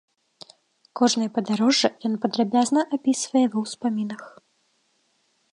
Кожнае падарожжа ён падрабязна апісвае ва ўспамінах.